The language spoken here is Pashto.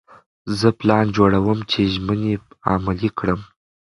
زه پلان جوړوم چې ژمنې عملي کړم.